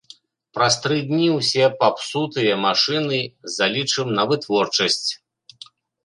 Праз тры дні ўсе папсутыя машыны залічым на вытворчасць.